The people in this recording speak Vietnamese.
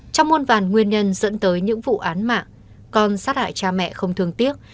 trong muôn vàn nguyên nhân dẫn tới những vụ án mạng con sát hại cha mẹ không thương tiếc